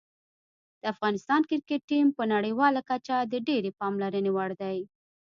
د افغانستان کرکټ ټیم په نړیواله کچه د ډېرې پاملرنې وړ دی.